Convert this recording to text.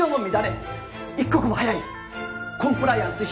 一刻も早いコンプライアンス